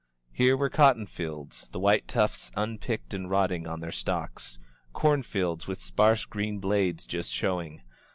Here were cotton fields, the white tufts unpicked and rotting on their stalks; corn fields with sparse green blades just showing.